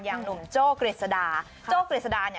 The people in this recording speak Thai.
อย่างหนุ่มโจ้เกรสดา